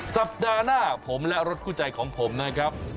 สัปดาห์หน้าผมและรถคู่ใจของผมนะครับ